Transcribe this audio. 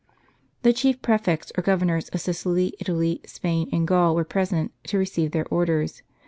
The chief prefects or governors of Sicily, Italy, Spain, and Gaul, were present, to receive their orders.